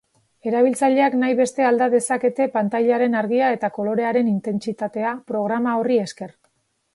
Erabiltzaileak nahi beste alda dezake pantailaren argia eta kolorearen intentsitatea programa horri esker.